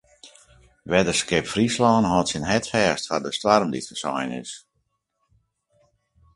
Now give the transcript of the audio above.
Wetterskip Fryslân hâldt syn hart fêst foar de stoarm dy't foarsein is.